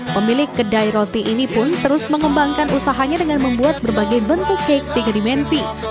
pemilik kedai roti ini pun terus mengembangkan usahanya dengan membuat berbagai bentuk cakes tiga dimensi